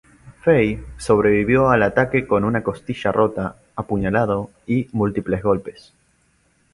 Fay sobrevivió al ataque con una costilla rota, apuñalado y múltiples golpes.